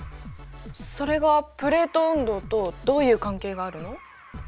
それがプレート運動とどういう関係があるの？